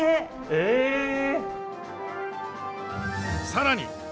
さらに！